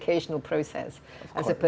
dari proses pendidikan